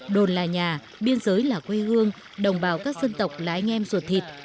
đồn là nhà biên giới là quê hương đồng bào các dân tộc là anh em ruột thịt